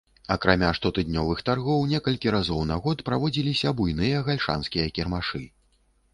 Акрамя штотыднёвых таргоў, некалькі разоў на год праводзіліся буйныя гальшанскія кірмашы.